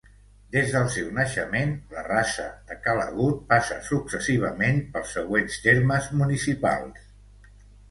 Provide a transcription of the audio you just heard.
Des del seu naixement, la Rasa de Ca l'Agut passa successivament pels següents termes municipals.